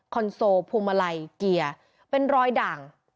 คอนโซลพวงมาลัยเกียร์เป็นรอยดั่ง